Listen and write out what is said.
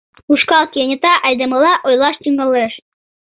Ушкал кенета айдемыла ойлаш тӱҥалеш: